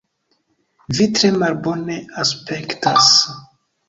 Vi tre malbone aspektas.